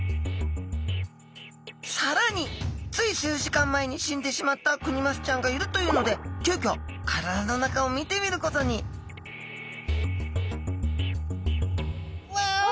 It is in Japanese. さらについ数時間前に死んでしまったクニマスちゃんがいるというので急きょ体の中を見てみることにうわ！